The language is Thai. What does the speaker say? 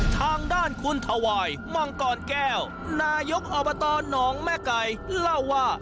ทางด้านคุณถวายมังกรแก้วนายกอบตหนองแม่ไก่เล่าว่า